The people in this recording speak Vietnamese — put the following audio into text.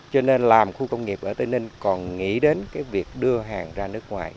cho nên làm khu công nghiệp ở tây ninh còn nghĩ đến cái việc đưa hàng ra nước ngoài